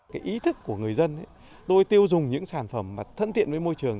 cái ý thức của người dân tôi tiêu dùng những sản phẩm mà thân thiện với môi trường